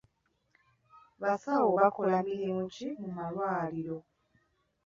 Basawo bakola mulimu ki mu malwaliro?